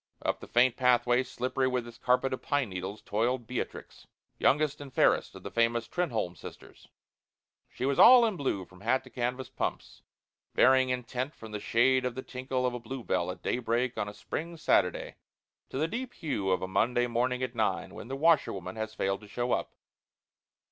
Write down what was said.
Up the faint pathway, slippery with its carpet of pine needles, toiled Beatrix, youngest and fairest of the famous Trenholme sisters. She was all in blue from hat to canvas pumps, varying in tint from the shade of the tinkle of a bluebell at daybreak on a spring Saturday to the deep hue of a Monday morning at nine when the washerwoman has failed to show up.